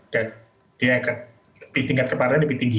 dan tingkat keparahannya lebih tinggi